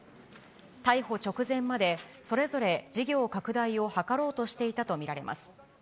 逮捕直前まで、それぞれ事業拡大を図ろうとしていたと見られます。